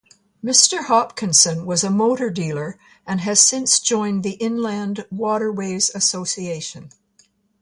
Mr Hopkinson was a motor dealer, and has since joined the Inland Waterways Association.